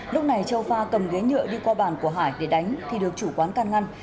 lúc này châu pha cầm ghế nhựa đi qua bàn của hải để đánh thì được chủ quán can ngăn